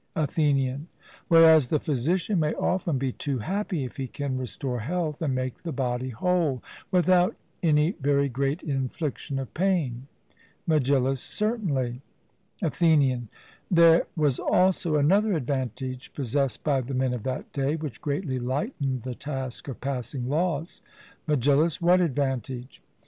ATHENIAN: Whereas the physician may often be too happy if he can restore health, and make the body whole, without any very great infliction of pain. MEGILLUS: Certainly. ATHENIAN: There was also another advantage possessed by the men of that day, which greatly lightened the task of passing laws. MEGILLUS: What advantage?